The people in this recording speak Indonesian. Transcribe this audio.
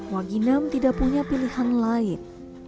waginam tidak punya pilihan lain